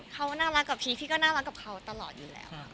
เขาน่ารักกับพีชพี่ก็น่ารักกับเขาตลอดอยู่แล้ว